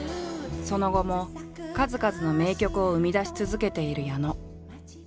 その後も数々の名曲を生み出し続けている矢野。